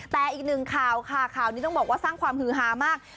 แต่อีกหนึ่งข่าวค่ะข่าวนี้ต้องบอกว่าสร้างความฮือฮามาก